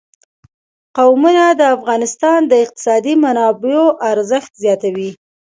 قومونه د افغانستان د اقتصادي منابعو ارزښت زیاتوي.